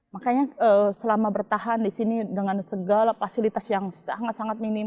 makanya selama bertahan di sini dengan segala fasilitas yang sangat sangat minim